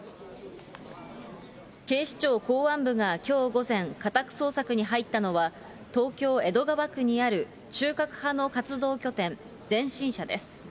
警視庁公安部がきょう午前、家宅捜索に入ったのは、東京・江戸川区にある中核派の活動拠点、前進社です。